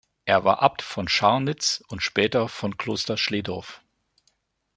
Er war Abt von Scharnitz und später von Kloster Schlehdorf.